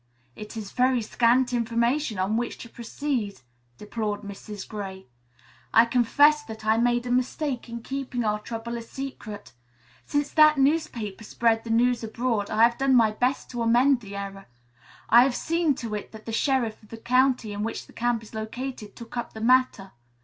"It is very scant information on which to proceed," deplored Mrs. Gray. "I confess that I made a mistake in keeping our trouble a secret. Since that newspaper spread the news abroad I have done my best to amend the error. I have seen to it that the sheriff of the county in which the camp is located took up the matter.